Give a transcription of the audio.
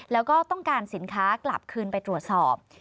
แล้วก็ต้องการสินค้ากลับคืนไปตรวจสอบ